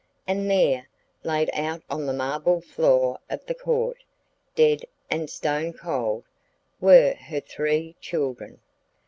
And there, laid out on the marble floor of the court, dead and stone cold, were her three children.